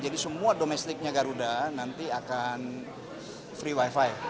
jadi semua domestiknya garuda nanti akan free wifi